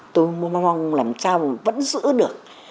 tôi mong làm sao mà vẫn giữ được